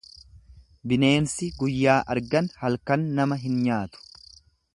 Bineensi guyyaa argan halkan nama hin nyaatu.